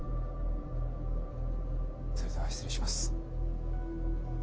それでは失礼します。